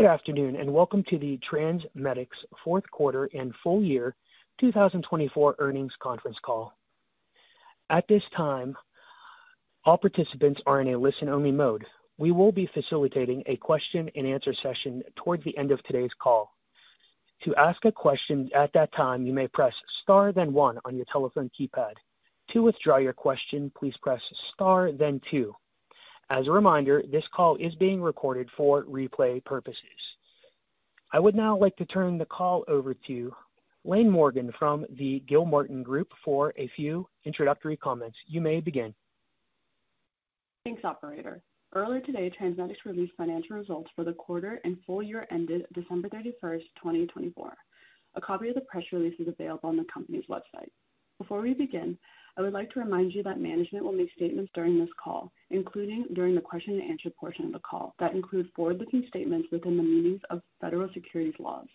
Good afternoon, and welcome to the TransMedics Fourth Quarter and Full Year 2024 Earnings Conference Call. At this time, all participants are in a listen-only mode. We will be facilitating a question-and-answer session toward the end of today's call. To ask a question at that time, you may press star, then one on your telephone keypad. To withdraw your question, please press star, then two. As a reminder, this call is being recorded for replay purposes. I would now like to turn the call over to Lynn Morgan from the Gilmartin Group for a few introductory comments. You may begin. Thanks, Operator. Earlier today, TransMedics released financial results for the quarter and full year ended December 31st, 2024. A copy of the press release is available on the company's website. Before we begin, I would like to remind you that management will make statements during this call, including during the question-and-answer portion of the call, that include forward-looking statements within the meanings of federal securities laws.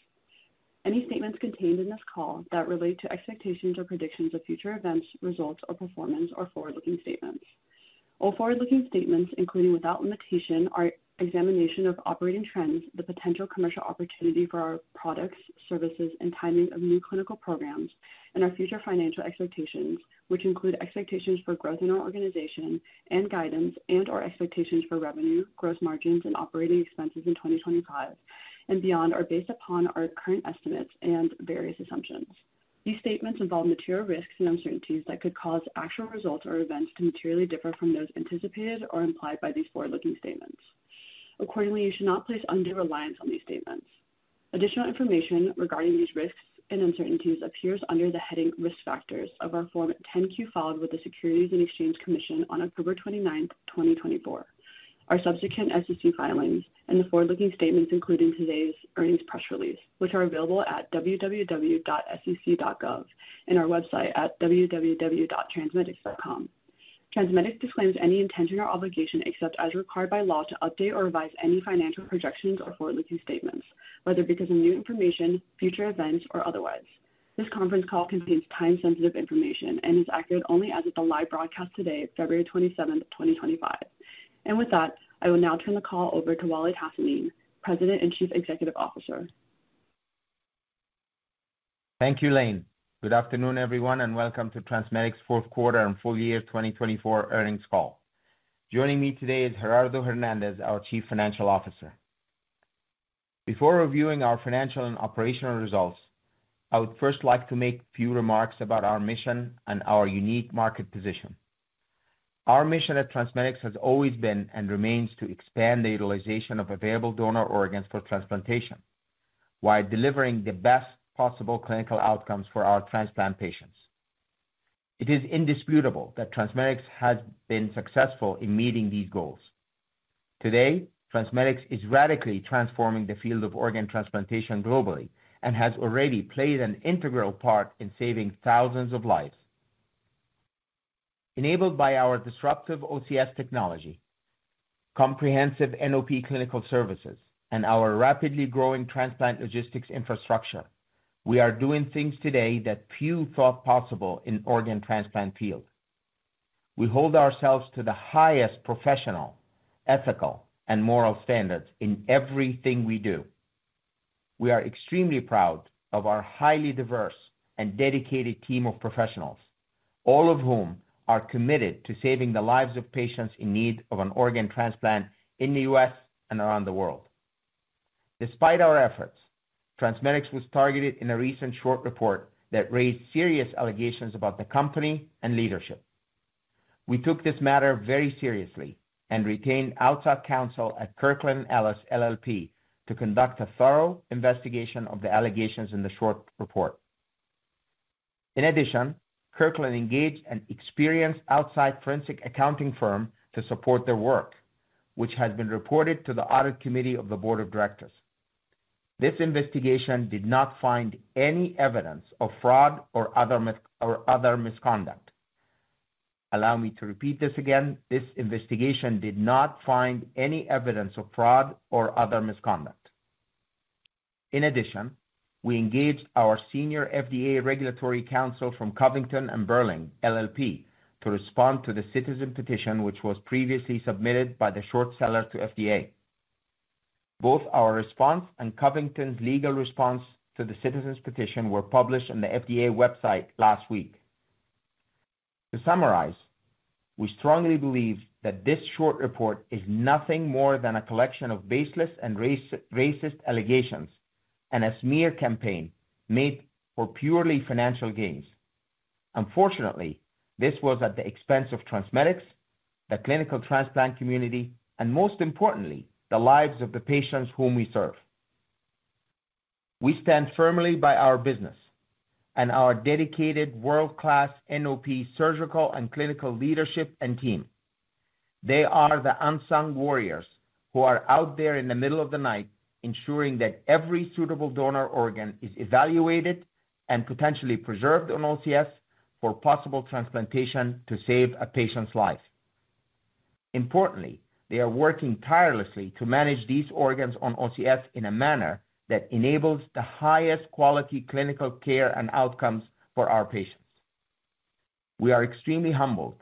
Any statements contained in this call that relate to expectations or predictions of future events, results, or performance are forward-looking statements. All forward-looking statements, including without limitation, our examination of operating trends, the potential commercial opportunity for our products, services, and timing of new clinical programs, and our future financial expectations, which include expectations for growth in our organization and guidance, and our expectations for revenue, gross margins, and operating expenses in 2025 and beyond are based upon our current estimates and various assumptions. These statements involve material risks and uncertainties that could cause actual results or events to materially differ from those anticipated or implied by these forward-looking statements. Accordingly, you should not place undue reliance on these statements. Additional information regarding these risks and uncertainties appears under the heading Risk Factors of our Form 10-Q, filed with the Securities and Exchange Commission on October 29th, 2024. Our subsequent SEC filings and the forward-looking statements, including today's earnings press release, which are available at www.sec.gov and our website at www.transmedics.com. TransMedics disclaims any intention or obligation except, as required by law, to update or revise any financial projections or forward-looking statements, whether because of new information, future events, or otherwise. This conference call contains time-sensitive information and is accurate only as of the live broadcast today, February 27th, 2025. With that, I will now turn the call over to Waleed Hassanein, President and Chief Executive Officer. Thank you, Lynn. Good afternoon, everyone, and welcome to TransMedics Fourth Quarter and Full Year 2024 Earnings Call. Joining me today is Gerardo Hernandez, our Chief Financial Officer. Before reviewing our financial and operational results, I would first like to make a few remarks about our mission and our unique market position. Our mission at TransMedics has always been and remains to expand the utilization of available donor organs for transplantation while delivering the best possible clinical outcomes for our transplant patients. It is indisputable that TransMedics has been successful in meeting these goals. Today, TransMedics is radically transforming the field of organ transplantation globally and has already played an integral part in saving thousands of lives. Enabled by our disruptive OCS technology, comprehensive NOP clinical services, and our rapidly growing transplant logistics infrastructure, we are doing things today that few thought possible in the organ transplant field. We hold ourselves to the highest professional, ethical, and moral standards in everything we do. We are extremely proud of our highly diverse and dedicated team of professionals, all of whom are committed to saving the lives of patients in need of an organ transplant in the U.S. and around the world. Despite our efforts, TransMedics was targeted in a recent short report that raised serious allegations about the company and leadership. We took this matter very seriously and retained outside counsel at Kirkland & Ellis LLP to conduct a thorough investigation of the allegations in the short report. In addition, Kirkland engaged an experienced outside forensic accounting firm to support their work, which has been reported to the audit committee of the board of directors. This investigation did not find any evidence of fraud or other misconduct. Allow me to repeat this again: this investigation did not find any evidence of fraud or other misconduct. In addition, we engaged our senior FDA regulatory counsel from Covington & Burling LLP to respond to the citizen petition, which was previously submitted by the short seller to FDA. Both our response and Covington's legal response to the citizen's petition were published on the FDA website last week. To summarize, we strongly believe that this short report is nothing more than a collection of baseless and racist allegations and a smear campaign made for purely financial gains. Unfortunately, this was at the expense of TransMedics, the clinical transplant community, and most importantly, the lives of the patients whom we serve. We stand firmly by our business and our dedicated world-class NOP surgical and clinical leadership and team. They are the unsung warriors who are out there in the middle of the night, ensuring that every suitable donor organ is evaluated and potentially preserved on OCS for possible transplantation to save a patient's life. Importantly, they are working tirelessly to manage these organs on OCS in a manner that enables the highest quality clinical care and outcomes for our patients. We are extremely humbled.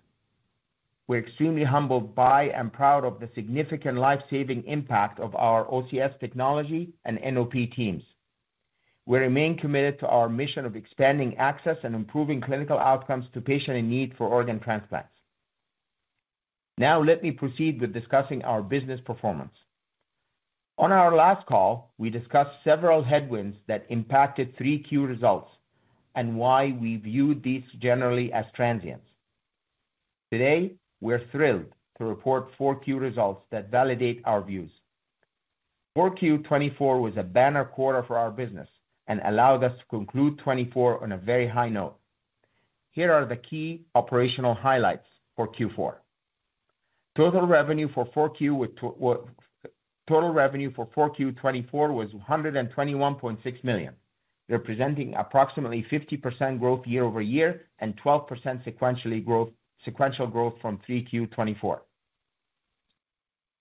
We're extremely humbled by and proud of the significant lifesaving impact of our OCS technology and NOP teams. We remain committed to our mission of expanding access and improving clinical outcomes to patients in need for organ transplants. Now, let me proceed with discussing our business performance. On our last call, we discussed several headwinds that impacted three key results and why we viewed these generally as transients. Today, we're thrilled to report four key results that validate our views. 4Q24 was a banner quarter for our business and allowed us to conclude '24 on a very high note. Here are the key operational highlights for Q4. Total revenue for 4Q24 was $121.6 million, representing approximately 50% growth year over year and 12% sequential growth from 3Q24.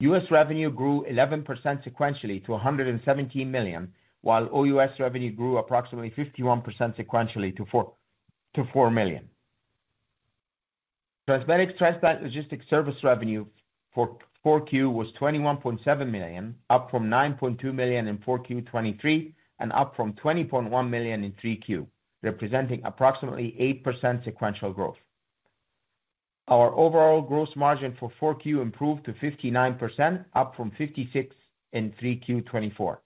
U.S. revenue grew 11% sequentially to $117 million, while OUS revenue grew approximately 51% sequentially to $4 million. TransMedics Transplant Logistics service revenue for 4Q was $21.7 million, up from $9.2 million in 4Q23 and up from $20.1 million in 3Q, representing approximately 8% sequential growth. Our overall gross margin for 4Q improved to 59%, up from 56% in 3Q24.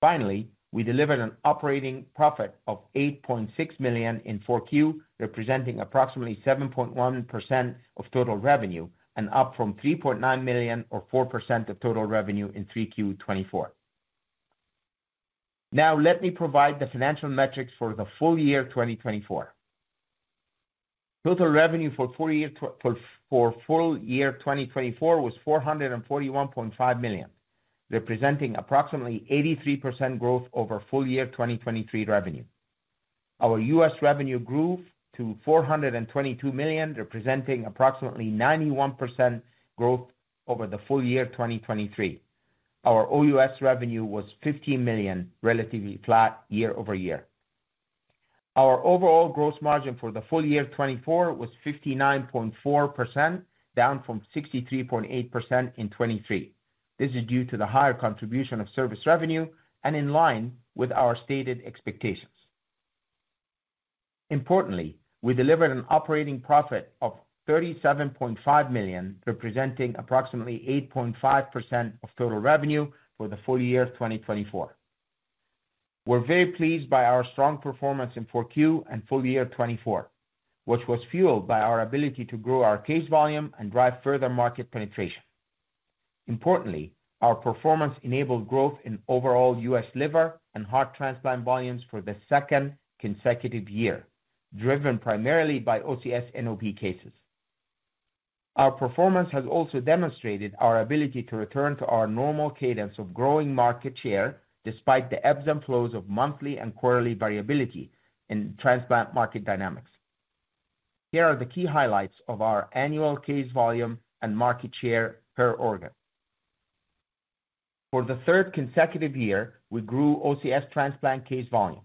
Finally, we delivered an operating profit of $8.6 million in 4Q, representing approximately 7.1% of total revenue and up from $3.9 million, or 4% of total revenue in 3Q24. Now, let me provide the financial metrics for the full year 2024. Total revenue for full year 2024 was $441.5 million, representing approximately 83% growth over full year 2023 revenue. Our U.S. revenue grew to $422 million, representing approximately 91% growth over the full year 2023. Our OUS revenue was $15 million, relatively flat year over year. Our overall gross margin for the full year 2024 was 59.4%, down from 63.8% in 2023. This is due to the higher contribution of service revenue and in line with our stated expectations. Importantly, we delivered an operating profit of $37.5 million, representing approximately 8.5% of total revenue for the full year 2024. We're very pleased by our strong performance in 4Q and full year 2024, which was fueled by our ability to grow our case volume and drive further market penetration. Importantly, our performance enabled growth in overall U.S. Liver and heart transplant volumes for the second consecutive year, driven primarily by OCS NOP cases. Our performance has also demonstrated our ability to return to our normal cadence of growing market share despite the ebbs and flows of monthly and quarterly variability in transplant market dynamics. Here are the key highlights of our annual case volume and market share per organ. For the third consecutive year, we grew OCS transplant case volume.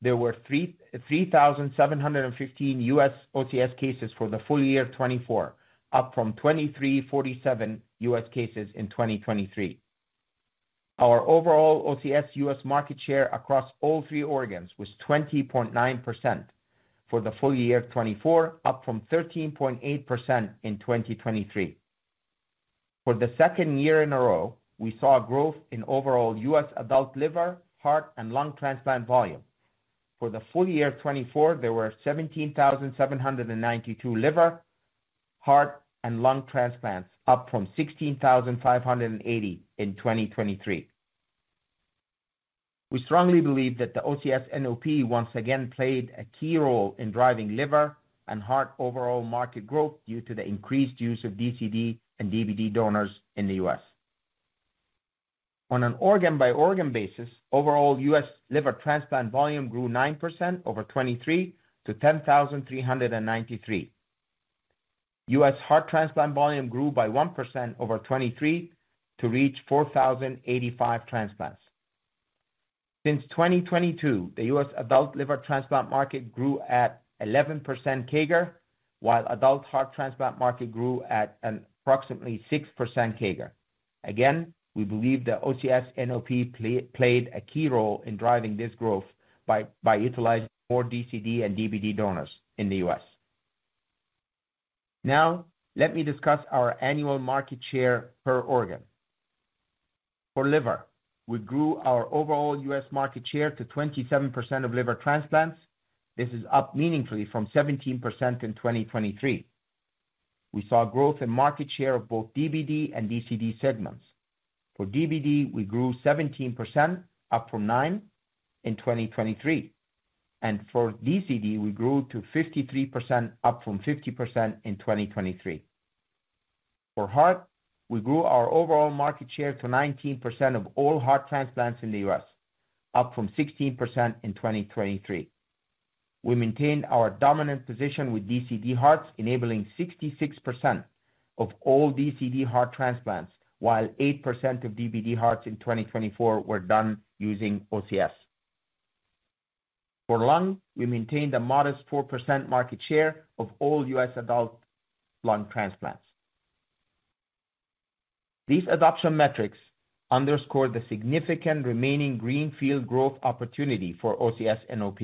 There were 3,715 U.S. OCS cases for the full year 2024, up from 2,347 U.S. cases in 2023. Our overall OCS U.S. market share across all three organs was 20.9% for the full year 2024, up from 13.8% in 2023. For the second year in a row, we saw growth in overall U.S. adult liver, heart, and lung transplant volume. For the full year 2024, there were 17,792 liver, heart, and lung transplants, up from 16,580 in 2023. We strongly believe that the OCS NOP once again played a key role in driving liver and heart overall market growth due to the increased use of DCD and DBD donors in the U.S. On an organ-by-organ basis, overall U.S. liver transplant volume grew 9% over 2023 to 10,393. U.S. heart transplant volume grew by 1% over 2023 to reach 4,085 transplants. Since 2022, the U.S. adult liver transplant market grew at 11% CAGR, while adult heart transplant market grew at approximately 6% CAGR. Again, we believe the OCS NOP played a key role in driving this growth by utilizing more DCD and DBD donors in the U.S. Now, let me discuss our annual market share per organ. For liver, we grew our overall U.S. market share to 27% of liver transplants. This is up meaningfully from 17% in 2023. We saw growth in market share of both DBD and DCD segments. For DBD, we grew 17%, up from 9% in 2023, and for DCD, we grew to 53%, up from 50% in 2023. For heart, we grew our overall market share to 19% of all heart transplants in the U.S., up from 16% in 2023. We maintained our dominant position with DCD hearts, enabling 66% of all DCD heart transplants, while 8% of DBD hearts in 2024 were done using OCS. For lung, we maintained a modest 4% market share of all U.S. adult lung transplants. These adoption metrics underscore the significant remaining greenfield growth opportunity for OCS NOP.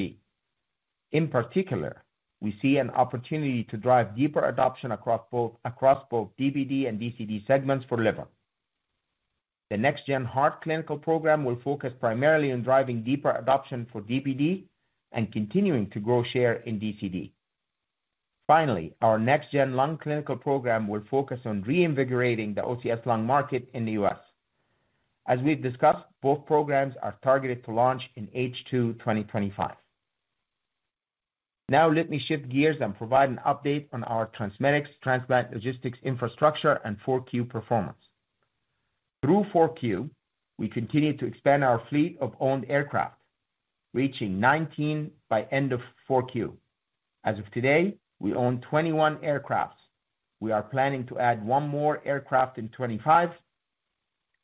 In particular, we see an opportunity to drive deeper adoption across both DBD and DCD segments for liver. The NextGen Heart Clinical Program will focus primarily on driving deeper adoption for DBD and continuing to grow share in DCD. Finally, our NextGen Lung Clinical Program will focus on reinvigorating the OCS Lung market in the U.S. As we've discussed, both programs are targeted to launch in H2 2025. Now, let me shift gears and provide an update on our TransMedics Transplant Logistics infrastructure and Q4 performance. Through Q4, we continue to expand our fleet of owned aircraft, reaching 19 by end of Q4. As of today, we own 21 aircraft. We are planning to add one more aircraft in 2025.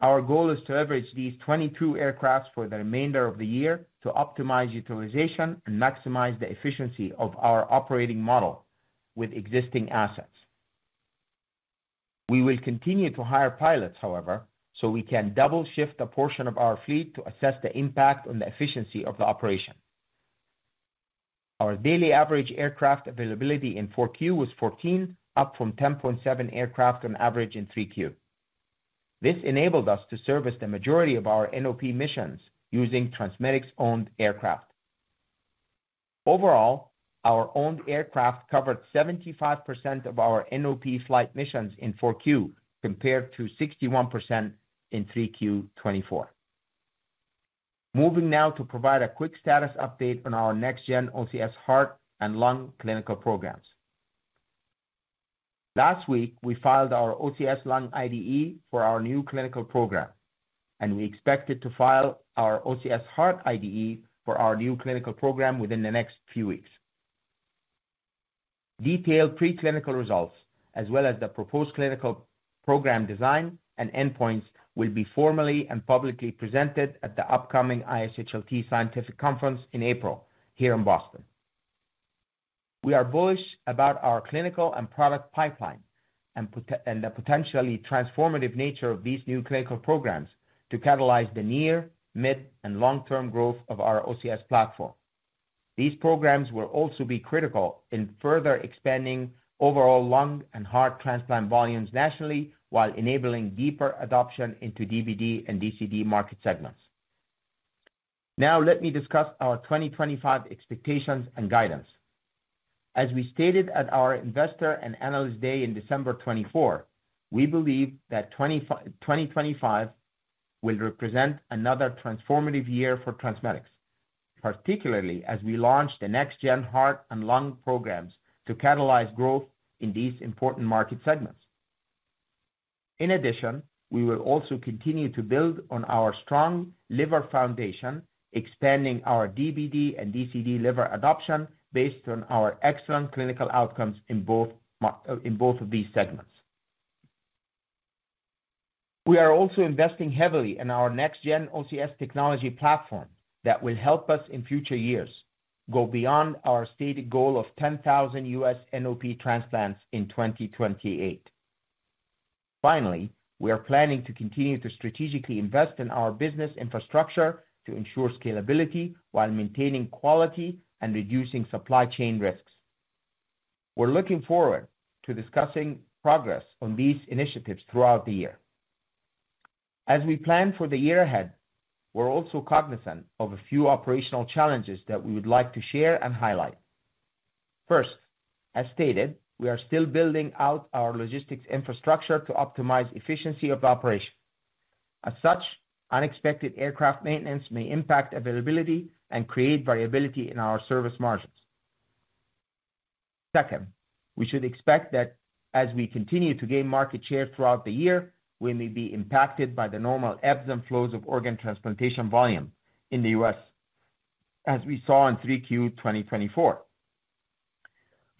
Our goal is to leverage these 22 aircraft for the remainder of the year to optimize utilization and maximize the efficiency of our operating model with existing assets. We will continue to hire pilots, however, so we can double-shift a portion of our fleet to assess the impact on the efficiency of the operation. Our daily average aircraft availability in 4Q was 14, up from 10.7 aircraft on average in 3Q. This enabled us to service the majority of our NOP missions using TransMedics-owned aircraft. Overall, our owned aircraft covered 75% of our NOP flight missions in 4Q compared to 61% in 3Q24. Moving now to provide a quick status update on our NextGen OCS Heart and Lung clinical programs. Last week, we filed our OCS Lung IDE for our new clinical program, and we expect to file our OCS Heart IDE for our new clinical program within the next few weeks. Detailed preclinical results, as well as the proposed clinical program design and endpoints, will be formally and publicly presented at the upcoming ISHLT Scientific Conference in April here in Boston. We are bullish about our clinical and product pipeline and the potentially transformative nature of these new clinical programs to catalyze the near, mid, and long-term growth of our OCS platform. These programs will also be critical in further expanding overall lung and heart transplant volumes nationally while enabling deeper adoption into DBD and DCD market segments. Now, let me discuss our 2025 expectations and guidance. As we stated at our Investor and Analyst Day in December 2024, we believe that 2025 will represent another transformative year for TransMedics, particularly as we launch the NextGen Heart and Lung programs to catalyze growth in these important market segments. In addition, we will also continue to build on our strong liver foundation, expanding our DBD and DCD liver adoption based on our excellent clinical outcomes in both of these segments. We are also investing heavily in our NextGen OCS technology platform that will help us in future years go beyond our stated goal of 10,000 U.S. NOP transplants in 2028. Finally, we are planning to continue to strategically invest in our business infrastructure to ensure scalability while maintaining quality and reducing supply chain risks. We're looking forward to discussing progress on these initiatives throughout the year. As we plan for the year ahead, we're also cognizant of a few operational challenges that we would like to share and highlight. First, as stated, we are still building out our logistics infrastructure to optimize efficiency of operations. As such, unexpected aircraft maintenance may impact availability and create variability in our service margins. Second, we should expect that as we continue to gain market share throughout the year, we may be impacted by the normal ebbs and flows of organ transplantation volume in the U.S., as we saw in 3Q 2024.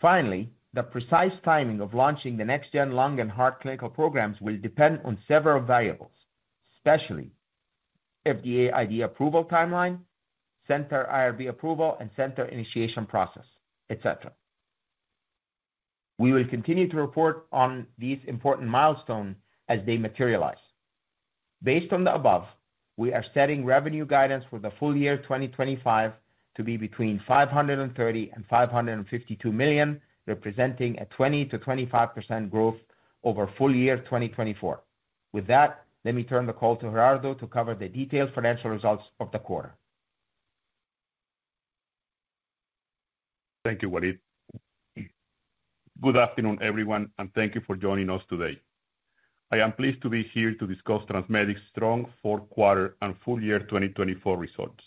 Finally, the precise timing of launching the NextGen Lung and Heart clinical programs will depend on several variables, especially FDA IDE approval timeline, center IRB approval and center initiation process, etc. We will continue to report on these important milestones as they materialize. Based on the above, we are setting revenue guidance for the full year 2025 to be between $530 and $552 million, representing a 20% to 25% growth over full year 2024. With that, let me turn the call to Gerardo to cover the detailed financial results of the quarter. Thank you, Waleed. Good afternoon, everyone, and thank you for joining us today. I am pleased to be here to discuss TransMedics' strong fourth quarter and full year 2024 results.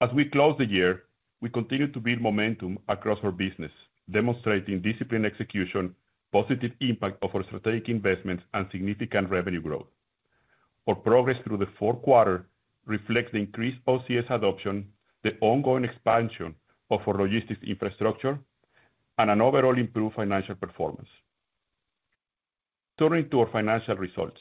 As we close the year, we continue to build momentum across our business, demonstrating disciplined execution, positive impact of our strategic investments, and significant revenue growth. Our progress through the fourth quarter reflects the increased OCS adoption, the ongoing expansion of our logistics infrastructure, and an overall improved financial performance. Turning to our financial results,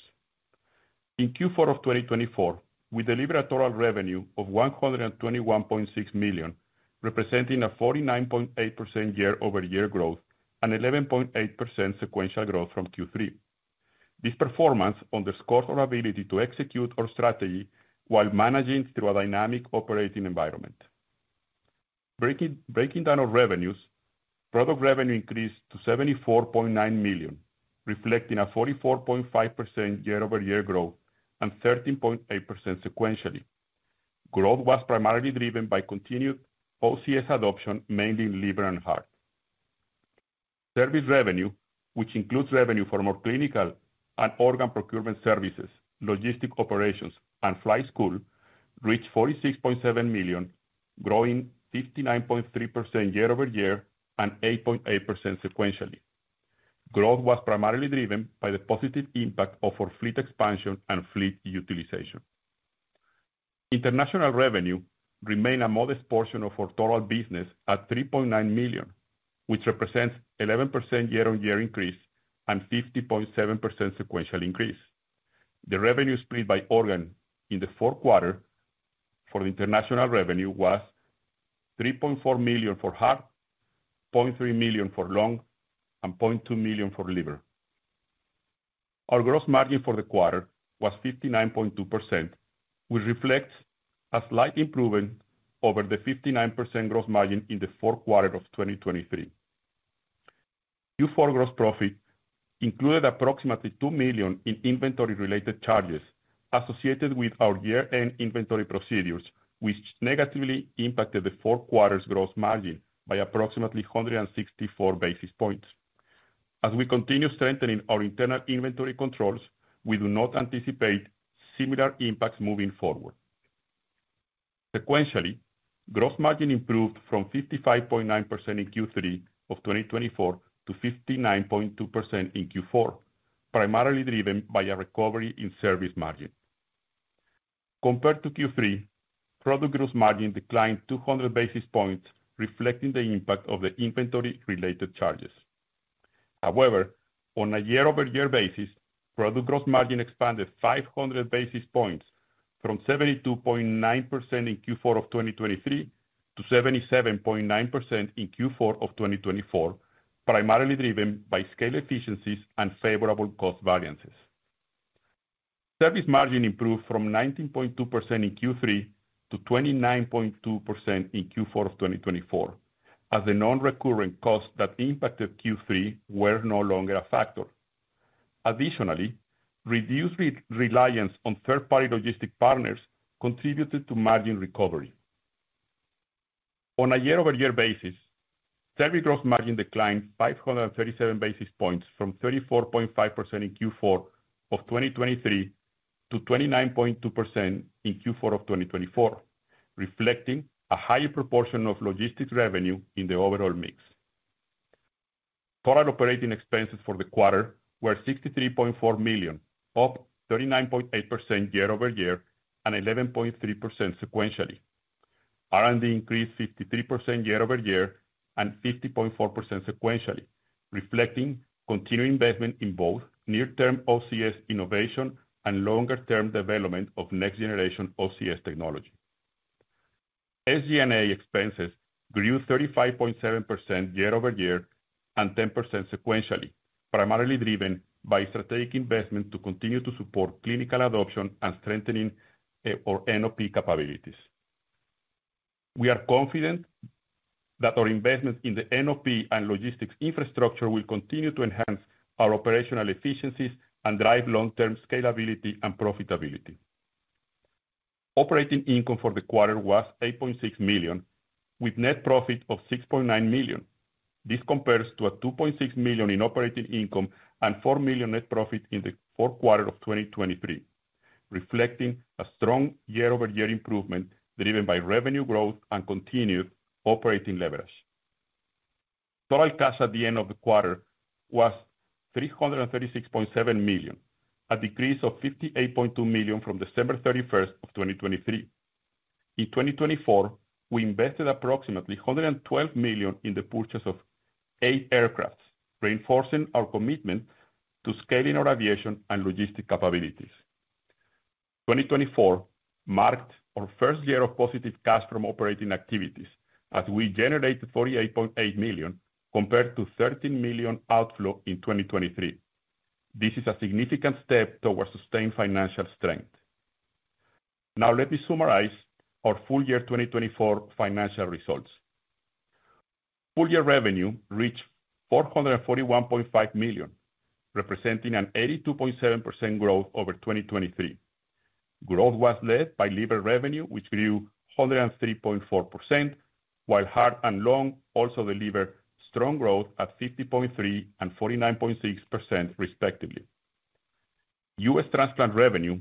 in Q4 of 2024, we delivered a total revenue of $121.6 million, representing a 49.8% year-over-year growth and 11.8% sequential growth from Q3. This performance underscores our ability to execute our strategy while managing through a dynamic operating environment. Breaking down our revenues, product revenue increased to $74.9 million, reflecting a 44.5% year-over-year growth and 13.8% sequentially. Growth was primarily driven by continued OCS adoption, mainly in liver and heart. Service revenue, which includes revenue from our clinical and organ procurement services, logistic operations, and flight school, reached $46.7 million, growing 59.3% year-over-year and 8.8% sequentially. Growth was primarily driven by the positive impact of our fleet expansion and fleet utilization. International revenue remained a modest portion of our total business at $3.9 million, which represents an 11% year-on-year increase and 50.7% sequential increase. The revenue split by organ in the fourth quarter for the international revenue was $3.4 million for heart, $0.3 million for lung, and $0.2 million for liver. Our gross margin for the quarter was 59.2%, which reflects a slight improvement over the 59% gross margin in the fourth quarter of 2023. Q4 gross profit included approximately $2 million in inventory-related charges associated with our year-end inventory procedures, which negatively impacted the fourth quarter's gross margin by approximately 164 basis points. As we continue strengthening our internal inventory controls, we do not anticipate similar impacts moving forward. Sequentially, gross margin improved from 55.9% in Q3 of 2024 to 59.2% in Q4, primarily driven by a recovery in service margin. Compared to Q3, product gross margin declined 200 basis points, reflecting the impact of the inventory-related charges. However, on a year-over-year basis, product gross margin expanded 500 basis points from 72.9% in Q4 of 2023 to 77.9% in Q4 of 2024, primarily driven by scale efficiencies and favorable cost variances. Service margin improved from 19.2% in Q3 to 29.2% in Q4 of 2024, as the non-recurrent costs that impacted Q3 were no longer a factor. Additionally, reduced reliance on third-party logistics partners contributed to margin recovery. On a year-over-year basis, service gross margin declined 537 basis points from 34.5% in Q4 of 2023 to 29.2% in Q4 of 2024, reflecting a higher proportion of logistics revenue in the overall mix. Total operating expenses for the quarter were $63.4 million, up 39.8% year-over-year and 11.3% sequentially. R&D increased 53% year-over-year and 50.4% sequentially, reflecting continued investment in both near-term OCS innovation and longer-term development of next-generation OCS technology. SG&A expenses grew 35.7% year-over-year and 10% sequentially, primarily driven by strategic investment to continue to support clinical adoption and strengthening our NOP capabilities. We are confident that our investment in the NOP and logistics infrastructure will continue to enhance our operational efficiencies and drive long-term scalability and profitability. Operating income for the quarter was $8.6 million, with net profit of $6.9 million. This compares to a $2.6 million in operating income and $4 million net profit in the fourth quarter of 2023, reflecting a strong year-over-year improvement driven by revenue growth and continued operating leverage. Total cash at the end of the quarter was $336.7 million, a decrease of $58.2 million from December 31st of 2023. In 2024, we invested approximately $112 million in the purchase of eight aircraft, reinforcing our commitment to scaling our aviation and logistics capabilities. 2024 marked our first year of positive cash from operating activities, as we generated $48.8 million compared to $13 million outflow in 2023. This is a significant step towards sustained financial strength. Now, let me summarize our full year 2024 financial results. Full year revenue reached $441.5 million, representing an 82.7% growth over 2023. Growth was led by liver revenue, which grew 103.4%, while heart and lung also delivered strong growth at 50.3% and 49.6%, respectively. U.S. transplant revenue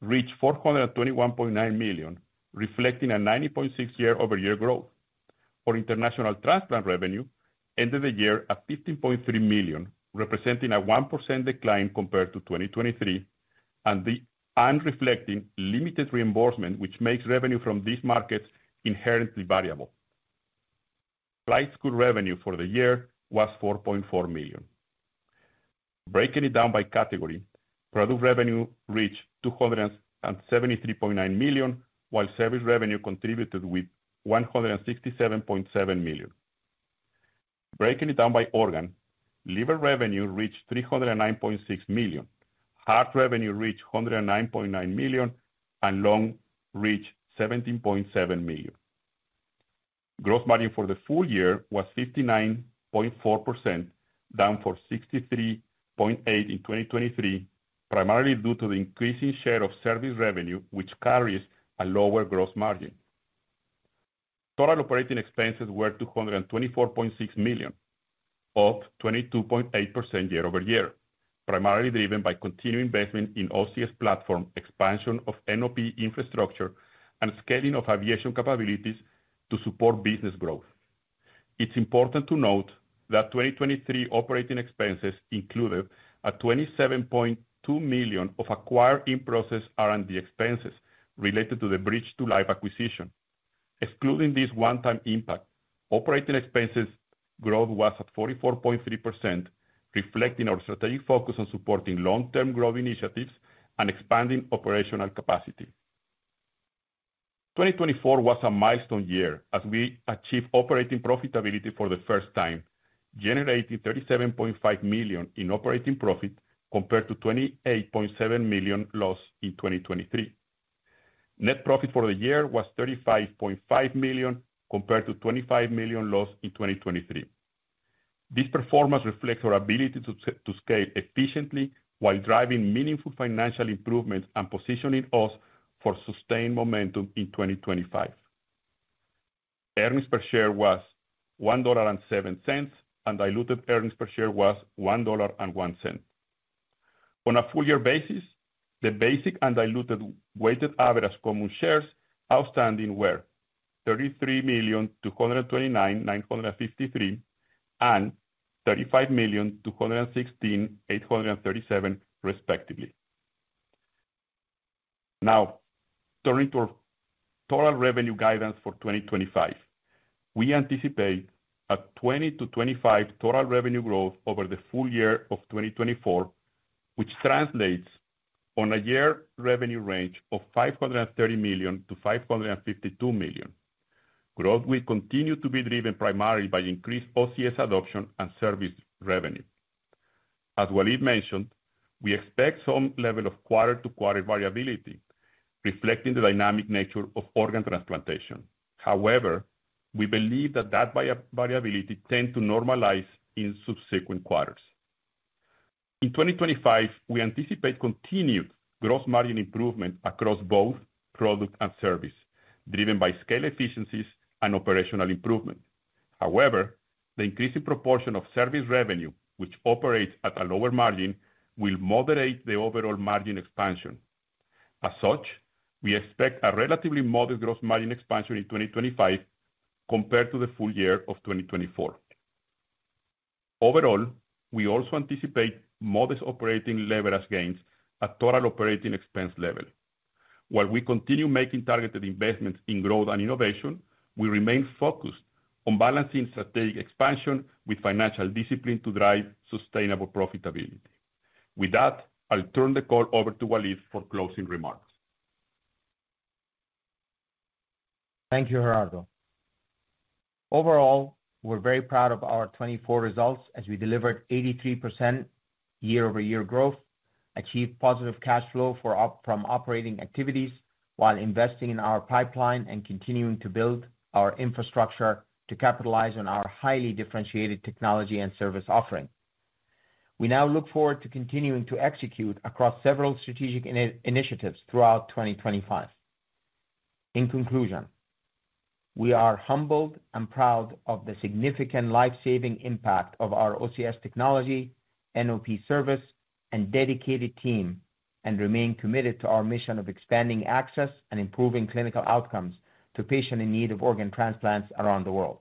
reached $421.9 million, reflecting a 90.6% year-over-year growth. For international transplant revenue, it ended the year at $15.3 million, representing a 1% decline compared to 2023, and reflecting limited reimbursement, which makes revenue from these markets inherently variable. Flight school revenue for the year was $4.4 million. Breaking it down by category, product revenue reached $273.9 million, while service revenue contributed with $167.7 million. Breaking it down by organ, liver revenue reached $309.6 million, heart revenue reached $109.9 million, and lung reached $17.7 million. Gross margin for the full year was 59.4%, down from 63.8% in 2023, primarily due to the increasing share of service revenue, which carries a lower gross margin. Total operating expenses were $224.6 million, up 22.8% year-over-year, primarily driven by continued investment in OCS platform expansion of NOP infrastructure and scaling of aviation capabilities to support business growth. It's important to note that 2023 operating expenses included a $27.2 million of acquired in-process R&D expenses related to the Bridge to Life acquisition. Excluding this one-time impact, operating expenses growth was at 44.3%, reflecting our strategic focus on supporting long-term growth initiatives and expanding operational capacity. 2024 was a milestone year as we achieved operating profitability for the first time, generating $37.5 million in operating profit compared to $28.7 million lost in 2023. Net profit for the year was $35.5 million compared to $25 million lost in 2023. This performance reflects our ability to scale efficiently while driving meaningful financial improvements and positioning us for sustained momentum in 2025. Earnings per share was $1.07, and diluted earnings per share was $1.01. On a full year basis, the basic and diluted weighted average common shares outstanding were 33,229,953 and 35,216,837, respectively. Now, turning to our total revenue guidance for 2025, we anticipate a 20%-25% total revenue growth over the full year of 2024, which translates on a year revenue range of $530 million-$552 million. Growth will continue to be driven primarily by increased OCS adoption and service revenue. As Waleed mentioned, we expect some level of quarter-to-quarter variability, reflecting the dynamic nature of organ transplantation. However, we believe that that variability tends to normalize in subsequent quarters. In 2025, we anticipate continued gross margin improvement across both product and service, driven by scale efficiencies and operational improvement. However, the increasing proportion of service revenue, which operates at a lower margin, will moderate the overall margin expansion. As such, we expect a relatively modest gross margin expansion in 2025 compared to the full year of 2024. Overall, we also anticipate modest operating leverage gains at total operating expense level. While we continue making targeted investments in growth and innovation, we remain focused on balancing strategic expansion with financial discipline to drive sustainable profitability. With that, I'll turn the call over to Waleed for closing remarks. Thank you, Gerardo. Overall, we're very proud of our 2024 results as we delivered 83% year-over-year growth, achieved positive cash flow from operating activities while investing in our pipeline and continuing to build our infrastructure to capitalize on our highly differentiated technology and service offering. We now look forward to continuing to execute across several strategic initiatives throughout 2025. In conclusion, we are humbled and proud of the significant lifesaving impact of our OCS technology, NOP service, and dedicated team, and remain committed to our mission of expanding access and improving clinical outcomes to patients in need of organ transplants around the world.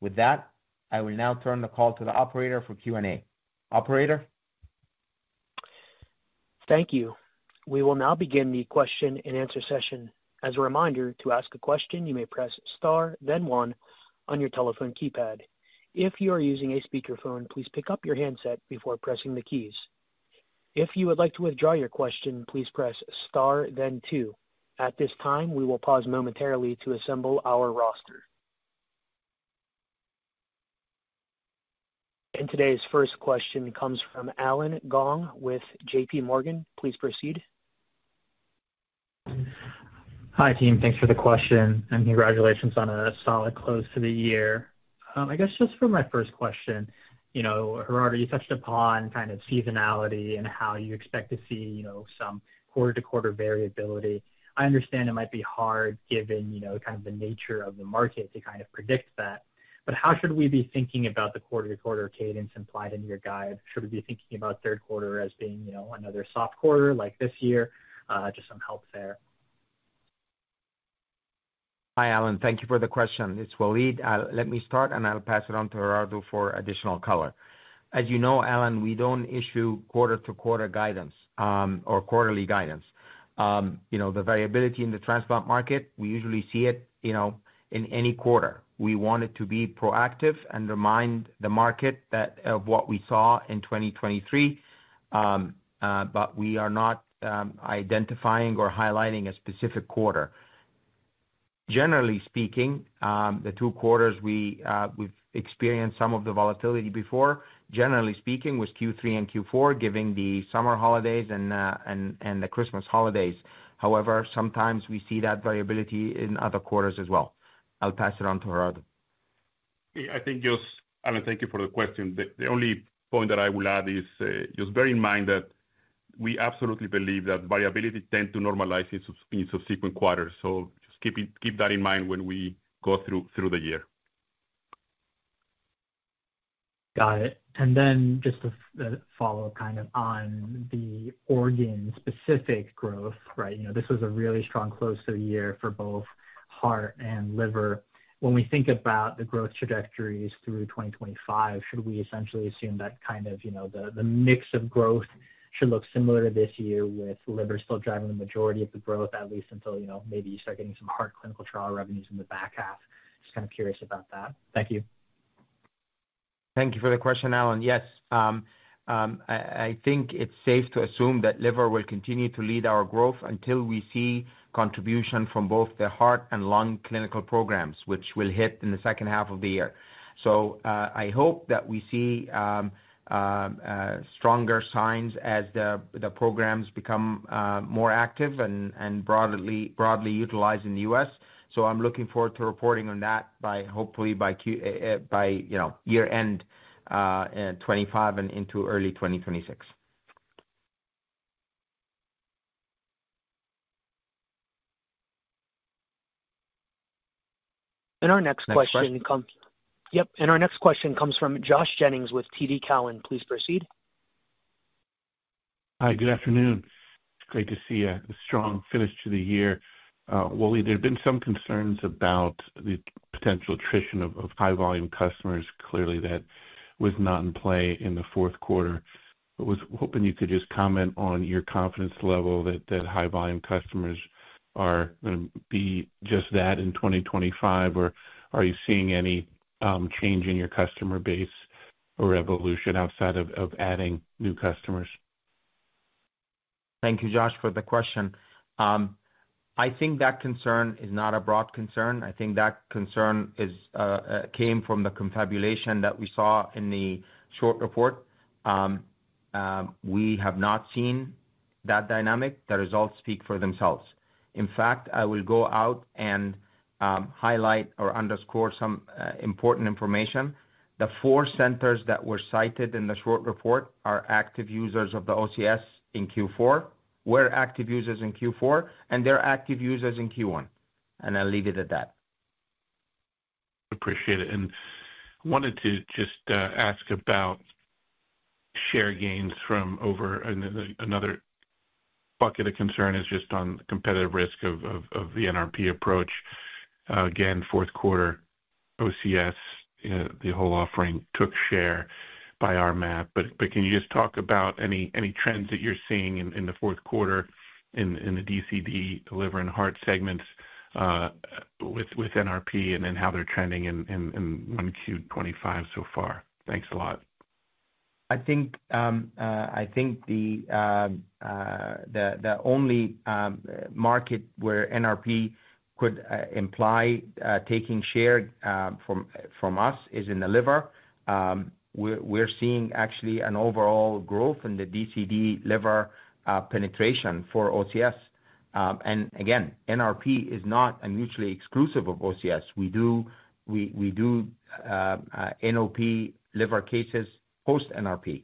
With that, I will now turn the call to the operator for Q&A. Operator. Thank you. We will now begin the question-and-answer session. As a reminder, to ask a question, you may press star, then one, on your telephone keypad. If you are using a speakerphone, please pick up your handset before pressing the keys. If you would like to withdraw your question, please press star, then two. At this time, we will pause momentarily to assemble our roster. And today's first question comes from Allen Gong with JPMorgan. Please proceed. Hi, team. Thanks for the question, and congratulations on a solid close to the year. I guess just for my first question, Gerardo, you touched upon kind of seasonality and how you expect to see some quarter-to-quarter variability. I understand it might be hard given kind of the nature of the market to kind of predict that. But how should we be thinking about the quarter-to-quarter cadence implied in your guide? Should we be thinking about third quarter as being another soft quarter like this year? Just some help there. Hi, Allen. Thank you for the question. It's Waleed. Let me start, and I'll pass it on to Gerardo for additional color. As you know, Allen, we don't issue quarter-to-quarter guidance or quarterly guidance. The variability in the transplant market, we usually see it in any quarter. We want it to be proactive and remind the market of what we saw in 2023, but we are not identifying or highlighting a specific quarter. Generally speaking, the two quarters we've experienced some of the volatility before, generally speaking, was Q3 and Q4, giving the summer holidays and the Christmas holidays. However, sometimes we see that variability in other quarters as well. I'll pass it on to Gerardo. I think just, Allen, thank you for the question. The only point that I would add is just bear in mind that we absolutely believe that variability tends to normalize in subsequent quarters. So just keep that in mind when we go through the year. Got it. And then just to follow up kind of on the organ-specific growth, right? This was a really strong close to the year for both heart and liver. When we think about the growth trajectories through 2025, should we essentially assume that kind of the mix of growth should look similar to this year with liver still driving the majority of the growth, at least until maybe you start getting some heart clinical trial revenues in the back half? Just kind of curious about that. Thank you. Thank you for the question, Allen. Yes. I think it's safe to assume that liver will continue to lead our growth until we see contribution from both the heart and lung clinical programs, which will hit in the second half of the year. So I hope that we see stronger signs as the programs become more active and broadly utilized in the U.S. So I'm looking forward to reporting on that, hopefully by year-end 2025 and into early 2026. And our next question comes—yep. Our next question comes from Josh Jennings with TD Cowen. Please proceed. Hi, good afternoon. It's great to see a strong finish to the year. Waleed, there have been some concerns about the potential attrition of high-volume customers. Clearly, that was not in play in the fourth quarter. I was hoping you could just comment on your confidence level that high-volume customers are going to be just that in 2025, or are you seeing any change in your customer base or evolution outside of adding new customers? Thank you, Josh, for the question. I think that concern is not a broad concern. I think that concern came from the fabrication that we saw in the short report. We have not seen that dynamic. The results speak for themselves. In fact, I will go out and highlight or underscore some important information. The four centers that were cited in the short report are active users of the OCS in Q4, were active users in Q4, and they're active users in Q1. And I'll leave it at that. Appreciate it. And I wanted to just ask about share gains from over another bucket of concern is just on competitive risk of the NRP approach. Again, fourth quarter, OCS, the whole offering took share by our math. But can you just talk about any trends that you're seeing in the fourth quarter in the DCD, liver, and heart segments with NRP and then how they're trending in Q25 so far? Thanks a lot. I think the only market where NRP could imply taking share from us is in the liver. We're seeing actually an overall growth in the DCD liver penetration for OCS. And again, NRP is not a mutually exclusive of OCS. We do NOP liver cases post-NRP.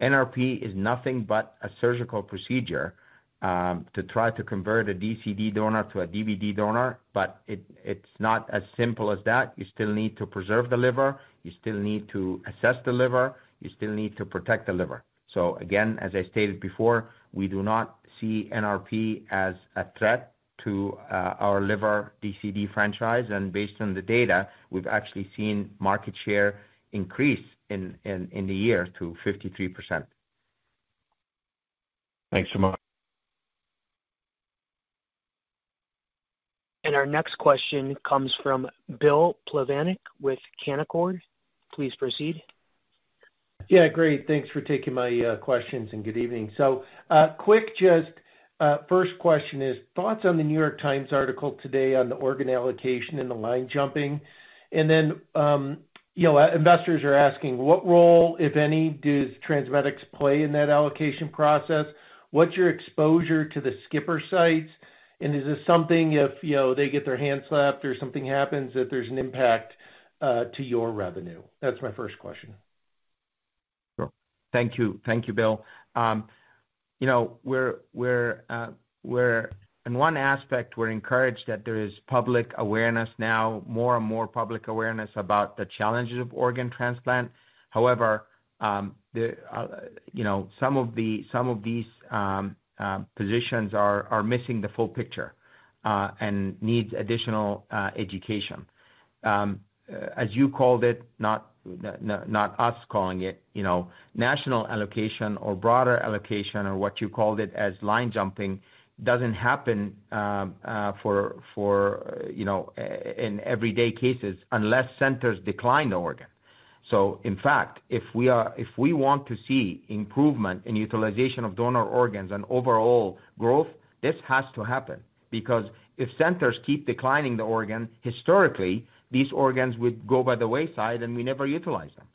NRP is nothing but a surgical procedure to try to convert a DCD donor to a DBD donor, but it's not as simple as that. You still need to preserve the liver. You still need to assess the liver. You still need to protect the liver. So again, as I stated before, we do not see NRP as a threat to our liver DCD franchise. And based on the data, we've actually seen market share increase in the year to 53%. Thanks so much. And our next question comes from Bill Plovanic with Canaccord. Please proceed. Yeah, great. Thanks for taking my questions and good evening. So quick, just first question is thoughts on the New York Times article today on the organ allocation and the line jumping. And then investors are asking, what role, if any, does TransMedics play in that allocation process? What's your exposure to the skipper sites? And is this something if they get their hands slapped or something happens that there's an impact to your revenue? That's my first question. Sure. Thank you. Thank you, Bill. In one aspect, we're encouraged that there is public awareness now, more and more public awareness about the challenges of organ transplant. However, some of these positions are missing the full picture and need additional education. As you called it, not us calling it, national allocation or broader allocation or what you called it as line jumping doesn't happen in everyday cases unless centers decline the organ. So in fact, if we want to see improvement in utilization of donor organs and overall growth, this has to happen. Because if centers keep declining the organ, historically, these organs would go by the wayside and we never utilize them.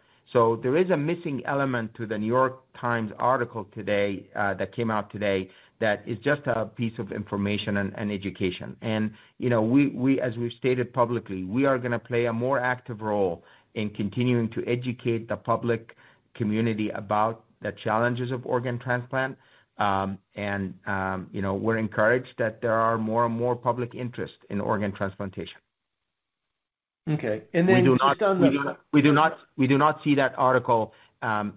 There is a missing element to the New York Times article today that came out today that is just a piece of information and education. And as we've stated publicly, we are going to play a more active role in continuing to educate the public community about the challenges of organ transplant. And we're encouraged that there are more and more public interest in organ transplantation. Okay. And then just on the. We do not see that article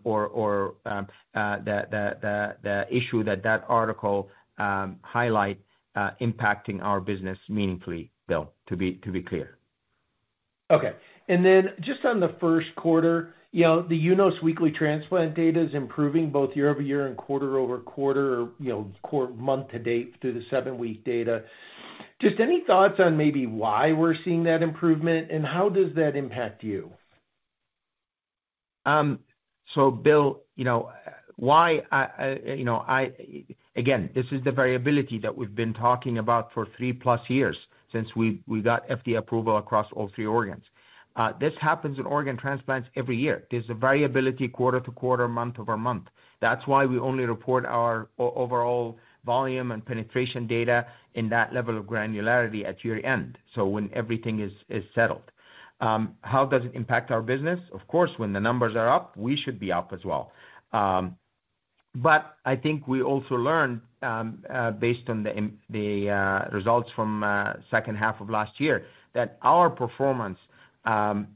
or the issue that that article highlight impacting our business meaningfully, Bill, to be clear. Okay. And then just on the first quarter, the UNOS weekly transplant data is improving both year-over-year and quarter-over-quarter or month-to-date through the seven-week data. Just any thoughts on maybe why we're seeing that improvement, and how does that impact you? So Bill, why? Again, this is the variability that we've been talking about for three-plus years since we got FDA approval across all three organs. This happens in organ transplants every year. There's a variability quarter-to-quarter, month-over-month. That's why we only report our overall volume and penetration data in that level of granularity at year-end, so when everything is settled. How does it impact our business? Of course, when the numbers are up, we should be up as well. But I think we also learned, based on the results from the second half of last year, that our performance relies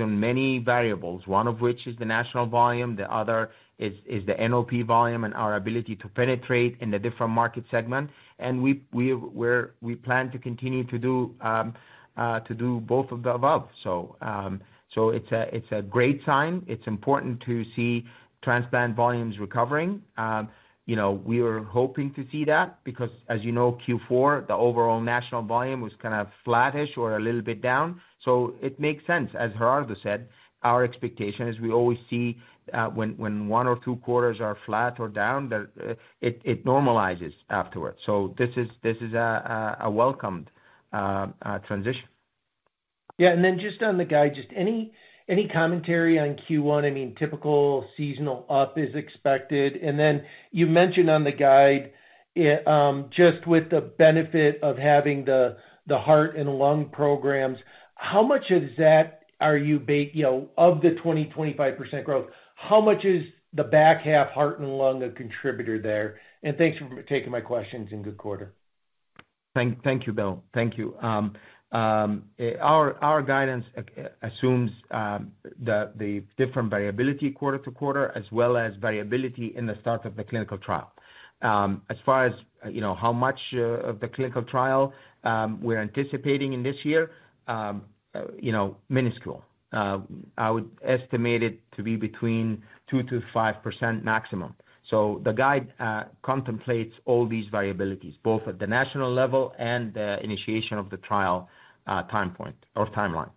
on many variables, one of which is the national volume, the other is the NOP volume and our ability to penetrate in the different market segment. And we plan to continue to do both of the above. So it's a great sign. It's important to see transplant volumes recovering. We were hoping to see that because, as you know, Q4, the overall national volume was kind of flattish or a little bit down. So it makes sense. As Gerardo said, our expectation is we always see when one or two quarters are flat or down, it normalizes afterwards. So this is a welcomed transition. Yeah. And then just on the guide, just any commentary on Q1? I mean, typical seasonal up is expected. And then you mentioned on the guide, just with the benefit of having the heart and lung programs, how much of that are you of the 25% growth, how much is the back half, heart and lung, a contributor there? And thanks for taking my questions. Good quarter. Thank you, Bill. Thank you. Our guidance assumes the different variability quarter-to-quarter as well as variability in the start of the clinical trial. As far as how much of the clinical trial we're anticipating in this year, minuscule. I would estimate it to be between 2-5% maximum. So the guide contemplates all these variabilities, both at the national level and the initiation of the trial time point or timeline.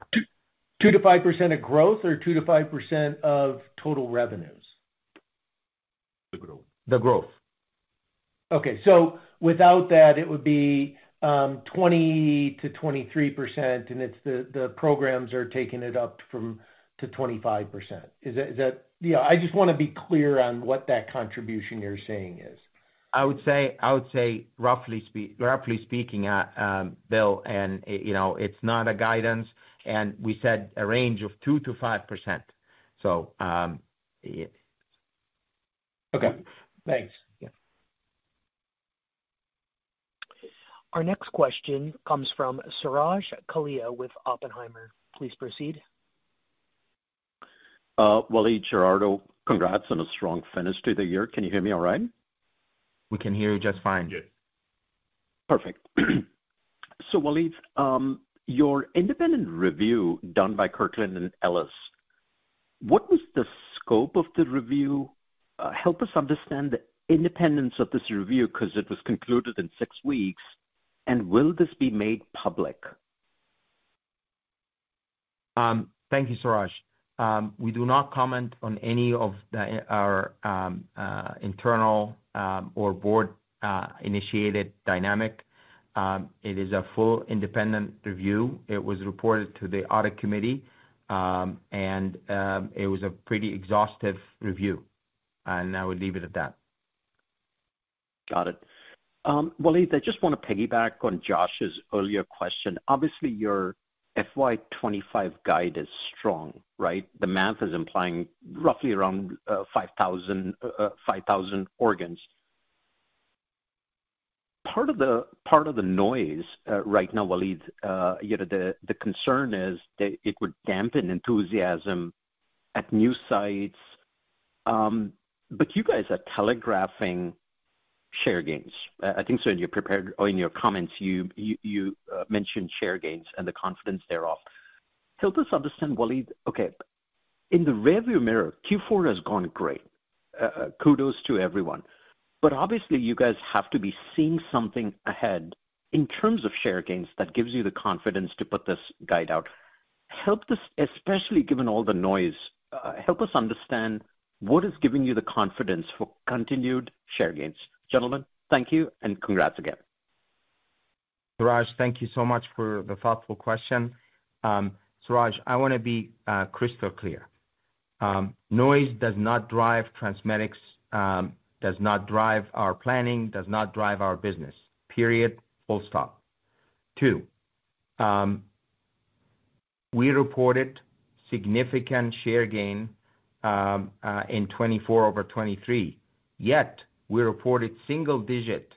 2-5% of growth or 2-5% of total revenues? The growth. The growth. Okay. So without that, it would be 20-23%, and the programs are taking it up to 25%. Is that, yeah. I just want to be clear on what that contribution you're saying is. I would say, roughly speaking, Bill, and it's not a guidance. And we said a range of 2-5%, so. Okay. Thanks. Our next question comes from Suraj Kalia with Oppenheimer. Please proceed. Waleed, Gerardo, congrats on a strong finish to the year. Can you hear me all right? We can hear you just fine. Yes. Perfect. So Waleed, your independent review done by Kirkland & Ellis, what was the scope of the review? Help us understand the independence of this review because it was concluded in six weeks, and will this be made public? Thank you, Suraj. We do not comment on any of our internal or board-initiated dynamics. It is a full independent review. It was reported to the audit committee, and it was a pretty exhaustive review. I would leave it at that. Got it. Waleed, I just want to piggyback on Josh's earlier question. Obviously, your FY25 guide is strong, right? The math is implying roughly around 5,000 organs. Part of the noise right now, Waleed, the concern is that it would dampen enthusiasm at new sites. But you guys are telegraphing share gains. I think so in your comments. You mentioned share gains and the confidence thereof. Help us understand, Waleed, okay. In the rearview mirror, Q4 has gone great. Kudos to everyone. But obviously, you guys have to be seeing something ahead in terms of share gains that gives you the confidence to put this guide out. Help us, especially given all the noise, help us understand what is giving you the confidence for continued share gains. Gentlemen, thank you, and congrats again. Suraj, thank you so much for the thoughtful question. Suraj, I want to be crystal clear. Noise does not drive TransMedics, does not drive our planning, does not drive our business. Period. Full stop. Two, we reported significant share gain in 2024 over 2023. Yet, we reported single-digit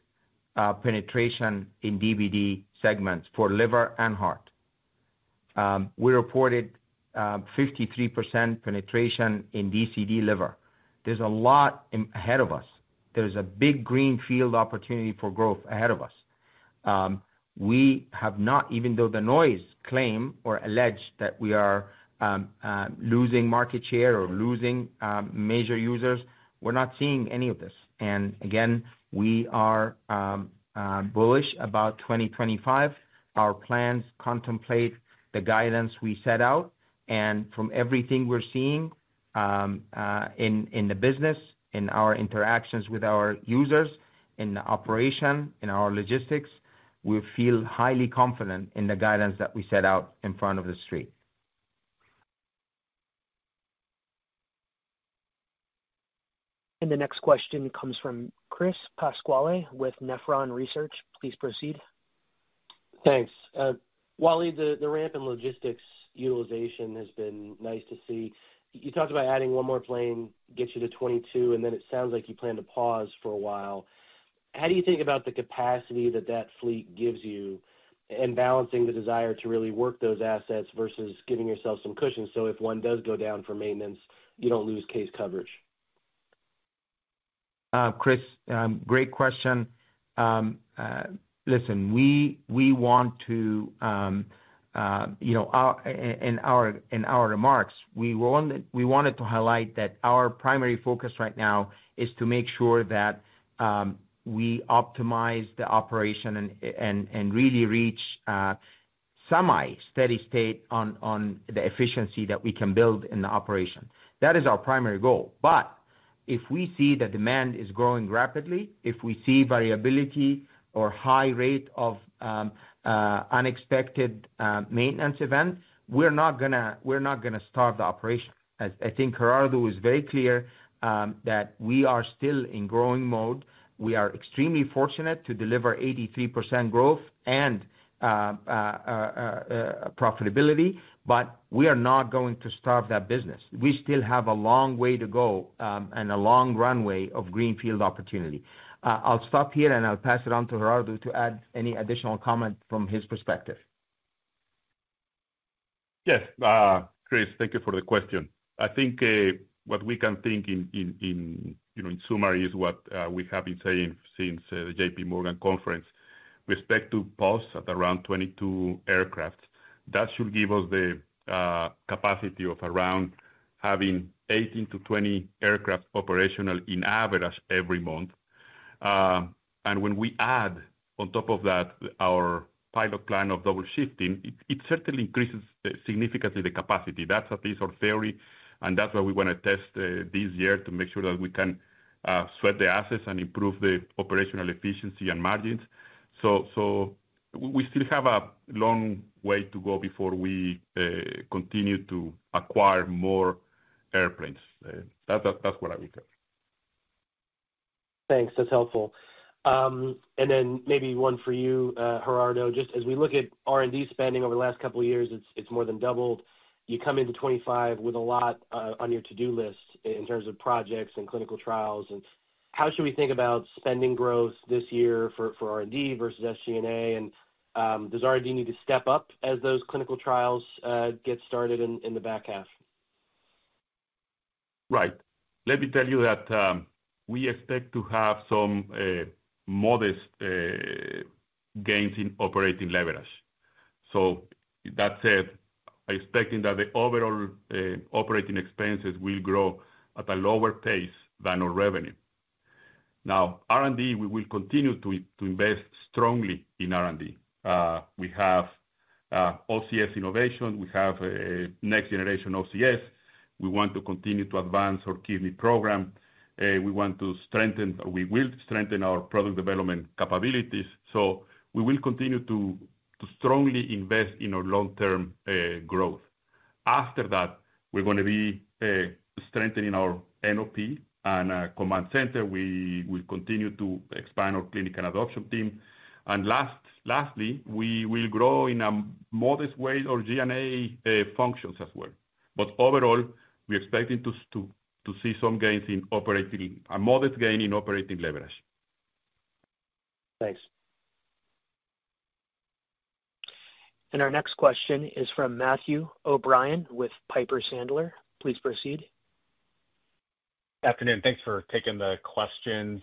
penetration in DBD segments for liver and heart. We reported 53% penetration in DCD liver. There's a lot ahead of us. There is a big greenfield opportunity for growth ahead of us. We have not, even though the noise claim or alleged that we are losing market share or losing major users, we're not seeing any of this and again we are bullish about 2025. Our plans contemplate the guidance we set out and from everything we're seeing in the business, in our interactions with our users, in the operation, in our logistics, we feel highly confident in the guidance that we set out in front of the street. The next question comes from Chris Pasquale with Nephron Research. Please proceed. Thanks. Waleed, the ramp in logistics utilization has been nice to see. You talked about adding one more plane gets you to 2022, and then it sounds like you plan to pause for a while. How do you think about the capacity that that fleet gives you and balancing the desire to really work those assets versus giving yourself some cushion so if one does go down for maintenance, you don't lose case coverage? Chris, great question. Listen, we want to, in our remarks, we wanted to highlight that our primary focus right now is to make sure that we optimize the operation and really reach semi-steady state on the efficiency that we can build in the operation. That is our primary goal. But if we see the demand is growing rapidly, if we see variability or high rate of unexpected maintenance events, we're not going to stop the operation. I think Gerardo was very clear that we are still in growing mode. We are extremely fortunate to deliver 83% growth and profitability, but we are not going to stop that business. We still have a long way to go and a long runway of greenfield opportunity. I'll stop here, and I'll pass it on to Gerardo to add any additional comment from his perspective. Yes. Chris, thank you for the question. I think what we can think in summary is what we have been saying since the JPMorgan conference with respect to POS at around 22 aircraft. That should give us the capacity of around having 18-20 aircraft operational in average every month. And when we add, on top of that, our pilot plan of double shifting, it certainly increases significantly the capacity. That's at least our theory, and that's what we want to test this year to make sure that we can sweat the assets and improve the operational efficiency and margins. So we still have a long way to go before we continue to acquire more airplanes. That's what I would tell you. Thanks. That's helpful. And then maybe one for you, Gerardo. Just as we look at R&D spending over the last couple of years, it's more than doubled. You come into 2025 with a lot on your to-do list in terms of projects and clinical trials. And how should we think about spending growth this year for R&D versus SG&A? And does R&D need to step up as those clinical trials get started in the back half? Right. Let me tell you that we expect to have some modest gains in operating leverage. So that said, I'm expecting that the overall operating expenses will grow at a lower pace than our revenue. Now, R&D, we will continue to invest strongly in R&D. We have OCS Innovation. We have NextGen OCS. We want to continue to advance our kidney program. We want to strengthen, we will strengthen our product development capabilities. So we will continue to strongly invest in our long-term growth. After that, we're going to be strengthening our NOP and command center. We will continue to expand our clinical adoption team. And lastly, we will grow in a modest way our G&A functions as well. But overall, we're expecting to see some gains in operating, a modest gain in operating leverage. Thanks. Our next question is from Matthew O'Brien with Piper Sandler. Please proceed. Good afternoon. Thanks for taking the questions.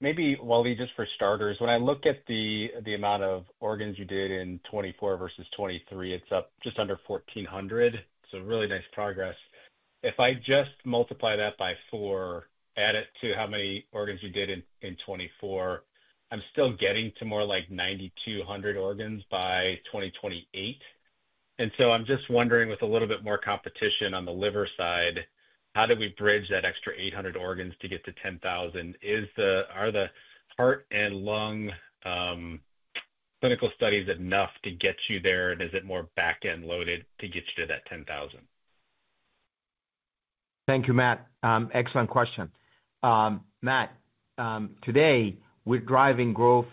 Maybe, Waleed, just for starters, when I look at the amount of organs you did in 2024 versus 2023, it's up just under 1,400. It's a really nice progress. If I just multiply that by four, add it to how many organs you did in 2024, I'm still getting to more like 9,200 organs by 2028. And so I'm just wondering, with a little bit more competition on the liver side, how do we bridge that extra 800 organs to get to 10,000? Are the heart and lung clinical studies enough to get you there, and is it more back-end loaded to get you to that 10,000? Thank you, Matt. Excellent question. Matt, today, we're driving growth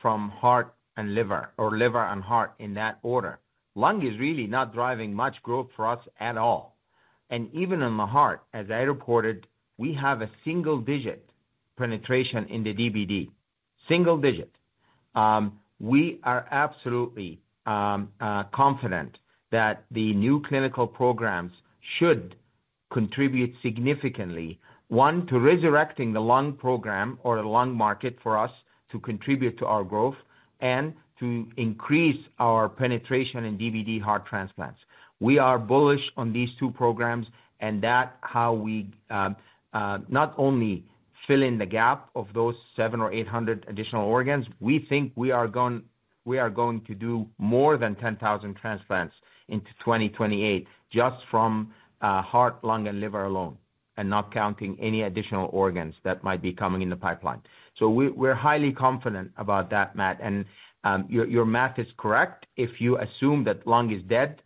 from heart and liver or liver and heart in that order. Lung is really not driving much growth for us at all. And even in the heart, as I reported, we have a single-digit penetration in the DBD. Single digit. We are absolutely confident that the new clinical programs should contribute significantly, one, to resurrecting the lung program or the lung market for us to contribute to our growth and to increase our penetration in DBD heart transplants. We are bullish on these two programs, and that's how we not only fill in the gap of those seven or 800 additional organs. We think we are going to do more than 10,000 transplants into 2028 just from heart, lung, and liver alone, and not counting any additional organs that might be coming in the pipeline, so we're highly confident about that, Matt. Your math is correct if you assume that lung is dead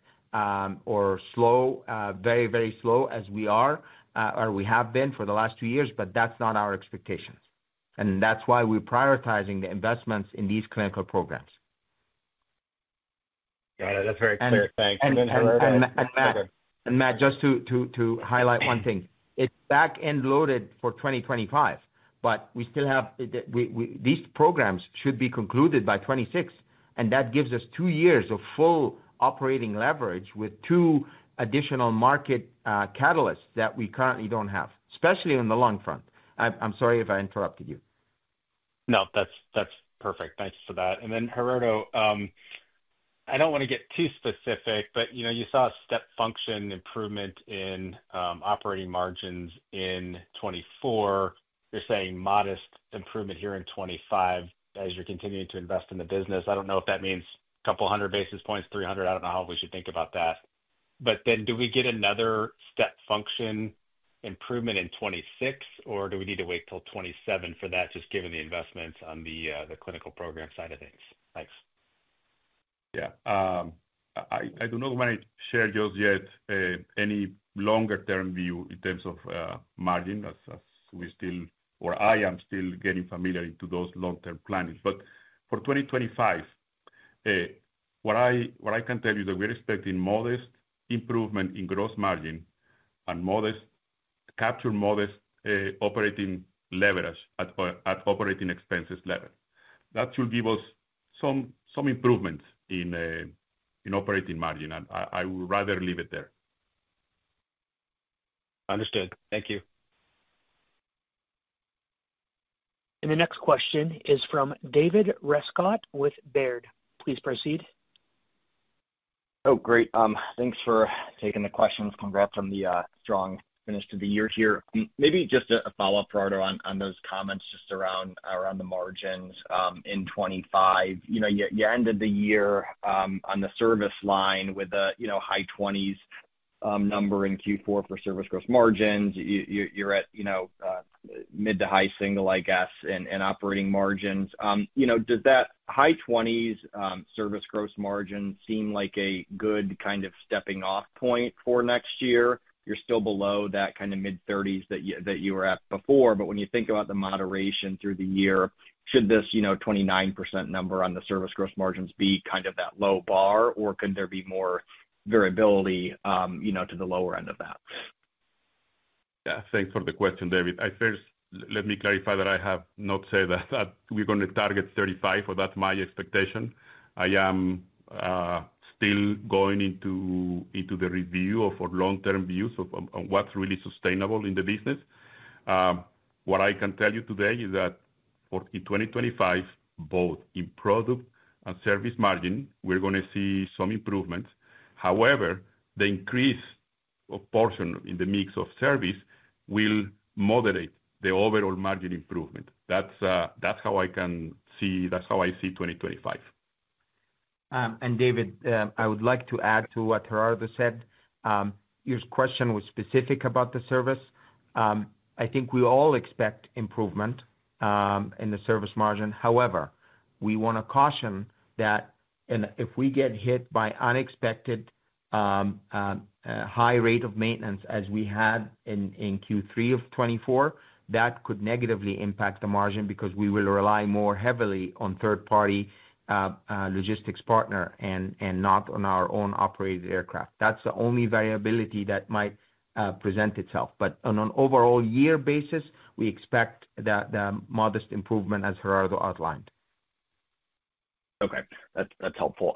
or slow, very, very slow as we are or we have been for the last two years, but that's not our expectation. That's why we're prioritizing the investments in these clinical programs. Got it. That's very clear. Thanks. And then Gerardo. And Matt, just to highlight one thing, it's back-end loaded for 2025, but we still have these programs should be concluded by 2026, and that gives us two years of full operating leverage with two additional market catalysts that we currently don't have, especially on the long front. I'm sorry if I interrupted you. No, that's perfect. Thanks for that. And then Gerardo, I don't want to get too specific, but you saw a step function improvement in operating margins in 2024. You're saying modest improvement here in 2025 as you're continuing to invest in the business. I don't know if that means a couple hundred basis points, 300. I don't know how we should think about that. But then do we get another step function improvement in 2026, or do we need to wait till 2027 for that, just given the investments on the clinical program side of things? Thanks. Yeah. I don't know if I shared yours yet, any longer-term view in terms of margin as we still, or I am still getting familiar into those long-term planning. But for 2025, what I can tell you is that we're expecting modest improvement in gross margin and capture modest operating leverage at operating expenses level. That should give us some improvements in operating margin, and I would rather leave it there. Understood. Thank you. And the next question is from David Rescott with Baird. Please proceed. Oh, great. Thanks for taking the questions. Congrats on the strong finish to the year here. Maybe just a follow-up, Gerardo, on those comments just around the margins in 2025. You ended the year on the service line with a high 20s number in Q4 for service gross margins. You're at mid to high single, I guess, in operating margins. Does that high 20s service gross margin seem like a good kind of stepping-off point for next year? You're still below that kind of mid-30s that you were at before. But when you think about the moderation through the year, should this 29% number on the service gross margins be kind of that low bar, or could there be more variability to the lower end of that? Yeah. Thanks for the question, David. First, let me clarify that I have not said that we're going to target 35, or that's my expectation. I am still going into the review of our long-term views on what's really sustainable in the business. What I can tell you today is that in 2025, both in product and service margin, we're going to see some improvements. However, the increase of portion in the mix of service will moderate the overall margin improvement. That's how I can see. That's how I see 2025. And David, I would like to add to what Gerardo said. Your question was specific about the service. I think we all expect improvement in the service margin. However, we want to caution that if we get hit by unexpected high rate of maintenance as we had in Q3 of 2024, that could negatively impact the margin because we will rely more heavily on third-party logistics partners and not on our own operated aircraft. That's the only variability that might present itself. But on an overall year basis, we expect the modest improvement as Gerardo outlined. Okay. That's helpful.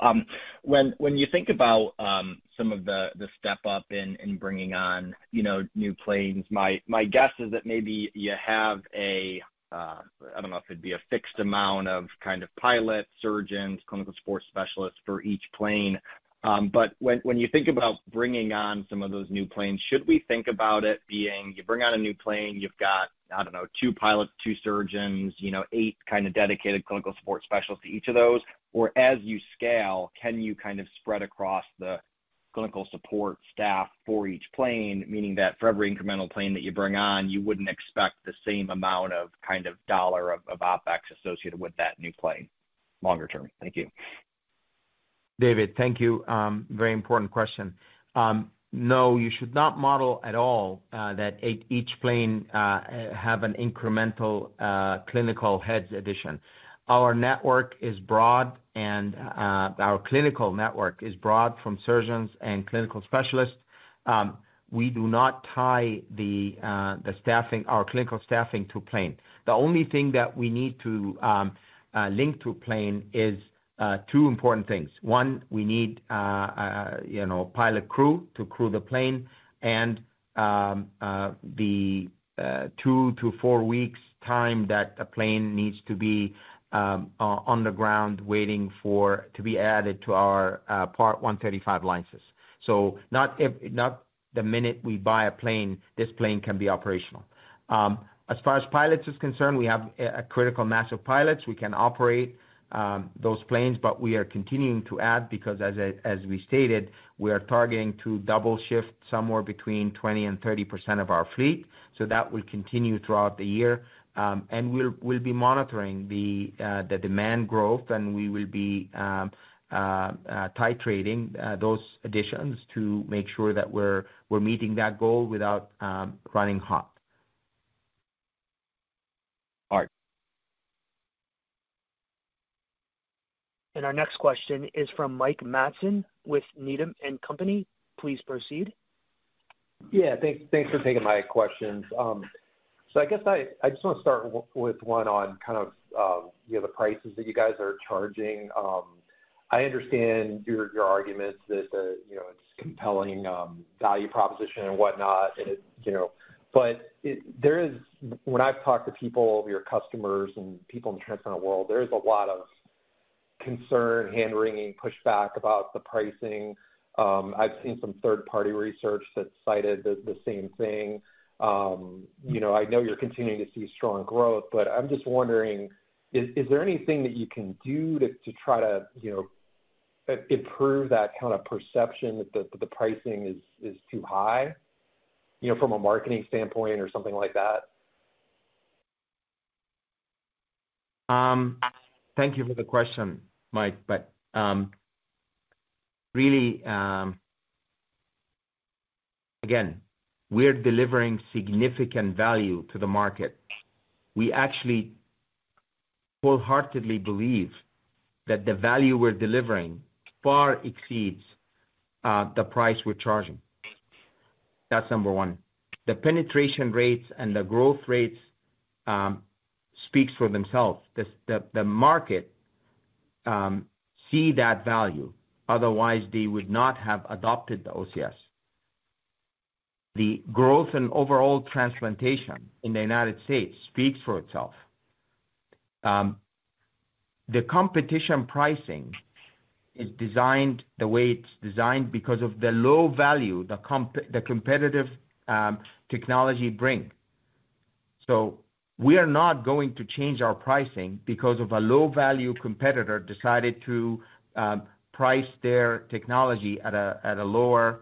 When you think about some of the step-up in bringing on new planes, my guess is that maybe you have a—I don't know if it'd be a fixed amount of kind of pilots, surgeons, clinical support specialists for each plane. But when you think about bringing on some of those new planes, should we think about it being you bring on a new plane, you've got, I don't know, two pilots, two surgeons, eight kind of dedicated clinical support specialists to each of those? Or as you scale, can you kind of spread across the clinical support staff for each plane, meaning that for every incremental plane that you bring on, you wouldn't expect the same amount of kind of dollar of OpEx associated with that new plane longer term? Thank you. David, thank you. Very important question. No, you should not model at all that each plane has an incremental clinical heads addition. Our network is broad, and our clinical network is broad from surgeons and clinical specialists. We do not tie the staffing, our clinical staffing, to plane. The only thing that we need to link to plane is two important things. One, we need a pilot crew to crew the plane, and the two-to-four weeks' time that a plane needs to be on the ground waiting to be added to our Part 135 license. So not the minute we buy a plane, this plane can be operational. As far as pilots are concerned, we have a critical mass of pilots. We can operate those planes, but we are continuing to add because, as we stated, we are targeting to double shift somewhere between 20% and 30% of our fleet. So that will continue throughout the year. And we'll be monitoring the demand growth, and we will be titrating those additions to make sure that we're meeting that goal without running hot. All right. And our next question is from Mike Matson with Needham & Company. Please proceed. Yeah. Thanks for taking my questions. So I guess I just want to start with one on kind of the prices that you guys are charging. I understand your arguments that it's a compelling value proposition and whatnot. But when I've talked to people, your customers, and people in the transplant world, there is a lot of concern, hand-wringing, pushback about the pricing. I've seen some third-party research that cited the same thing. I know you're continuing to see strong growth, but I'm just wondering, is there anything that you can do to try to improve that kind of perception that the pricing is too high from a marketing standpoint or something like that? Thank you for the question, Mike. But really, again, we're delivering significant value to the market. We actually wholeheartedly believe that the value we're delivering far exceeds the price we're charging. That's number one. The penetration rates and the growth rates speak for themselves. The market sees that value. Otherwise, they would not have adopted the OCS. The growth and overall transplantation in the United States speaks for itself. The competition pricing is designed the way it's designed because of the low value the competitive technology brings. So we are not going to change our pricing because of a low-value competitor deciding to price their technology at a lower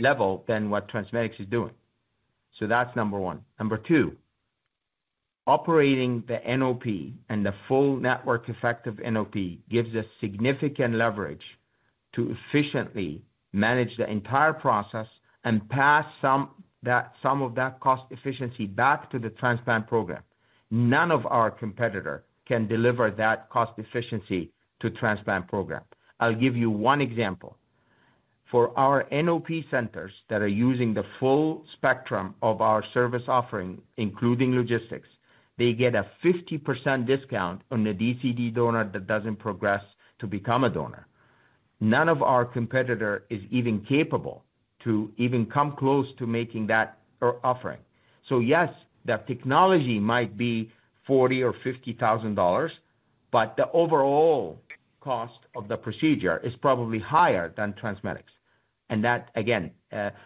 level than what TransMedics is doing. So that's number one. Number two, operating the NOP and the full network effective NOP gives us significant leverage to efficiently manage the entire process and pass some of that cost efficiency back to the transplant program. None of our competitors can deliver that cost efficiency to the transplant program. I'll give you one example. For our NOP centers that are using the full spectrum of our service offering, including logistics, they get a 50% discount on the DCD donor that doesn't progress to become a donor. None of our competitors is even capable to even come close to making that offering. So yes, that technology might be $40,000 or $50,000, but the overall cost of the procedure is probably higher than TransMedics. And that, again,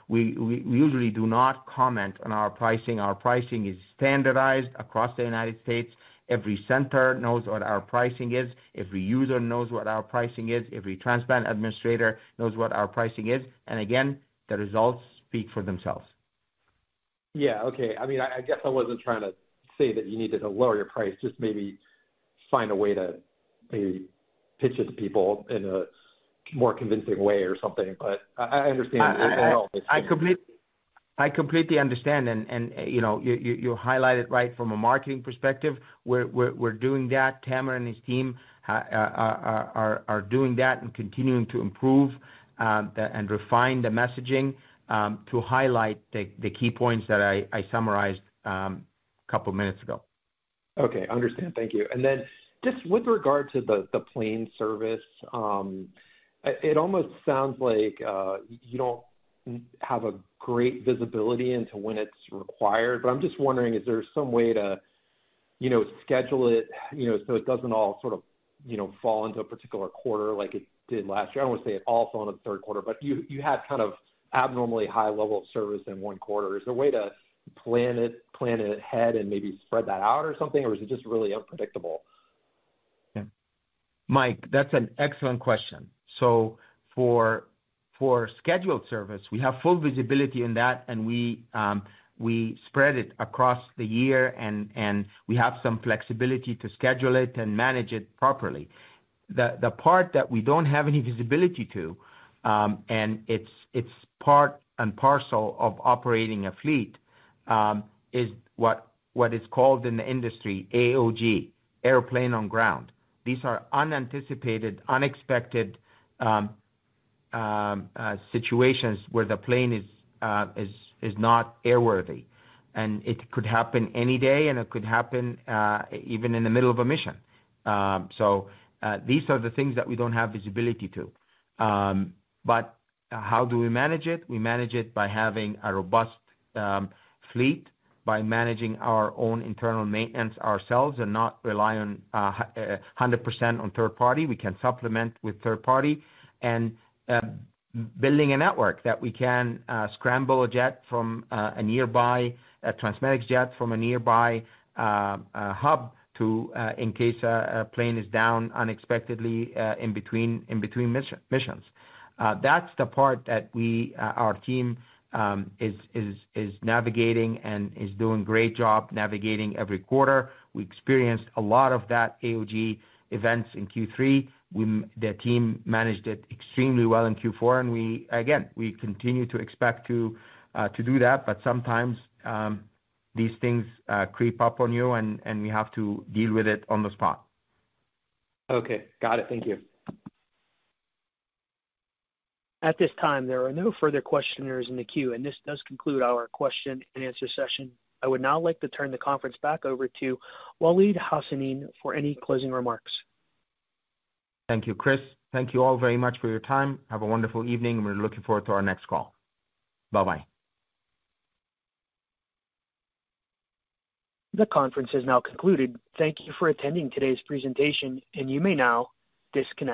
we usually do not comment on our pricing. Our pricing is standardized across the United States. Every center knows what our pricing is. Every user knows what our pricing is. Every transplant administrator knows what our pricing is. And again, the results speak for themselves. Yeah. Okay. I mean, I guess I wasn't trying to say that you needed to lower your price, just maybe find a way to pitch it to people in a more convincing way or something. But I understand it all. I completely understand. And you highlighted right from a marketing perspective. We're doing that. Tamer and his team are doing that and continuing to improve and refine the messaging to highlight the key points that I summarized a couple of minutes ago. Okay. Understand. Thank you. And then just with regard to the plane service, it almost sounds like you don't have a great visibility into when it's required. But I'm just wondering, is there some way to schedule it so it doesn't all sort of fall into a particular quarter like it did last year? I don't want to say it all fell into the third quarter, but you had kind of abnormally high level of service in one quarter. Is there a way to plan it ahead and maybe spread that out or something, or is it just really unpredictable? Yeah. Mike, that's an excellent question. So for scheduled service, we have full visibility in that, and we spread it across the year, and we have some flexibility to schedule it and manage it properly. The part that we don't have any visibility to, and it's part and parcel of operating a fleet, is what is called in the industry AOG, Aircraft on Ground. These are unanticipated, unexpected situations where the plane is not airworthy. And it could happen any day, and it could happen even in the middle of a mission. So these are the things that we don't have visibility to. But how do we manage it? We manage it by having a robust fleet, by managing our own internal maintenance ourselves and not relying 100% on third party. We can supplement with third-party and building a network that we can scramble a jet from a nearby TransMedics jet from a nearby hub in case a plane is down unexpectedly in between missions. That's the part that our team is navigating and is doing a great job navigating every quarter. We experienced a lot of that AOG events in Q3. The team managed it extremely well in Q4, and again, we continue to expect to do that, but sometimes these things creep up on you, and we have to deal with it on the spot. Okay. Got it. Thank you. At this time, there are no further questioners in the queue, and this does conclude our question-and-answer session. I would now like to turn the conference back over to Waleed Hassanein for any closing remarks. Thank you, Chris. Thank you all very much for your time. Have a wonderful evening, and we're looking forward to our next call. Bye-bye. The conference has now concluded. Thank you for attending today's presentation, and you may now disconnect.